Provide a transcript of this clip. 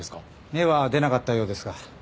芽は出なかったようですが。